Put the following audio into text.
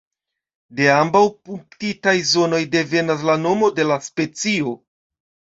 De ambaŭ punktitaj zonoj devenas la nomo de la specio.